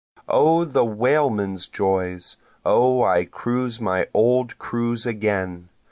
O the whaleman's joys! O I cruise my old cruise again!